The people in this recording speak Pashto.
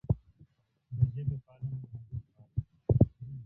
د ژبې پالنه د ملت پالنه ده.